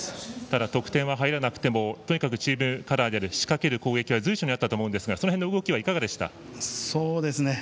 得点が入らなくてもチームカラーである仕掛ける攻撃は随所にあったと思うんですがその辺りはいかがでした？